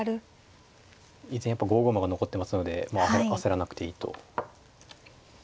やっぱ５五馬が残ってますので焦らなくていいと。